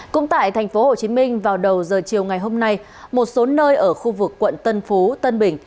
cũng tại tp hcm vào đầu giờ chiều ngày hôm nay một số nơi ở khu vực quận tân phú tân bình